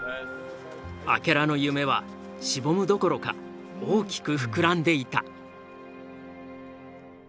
明楽の夢はしぼむどころか大きく膨らんでいた。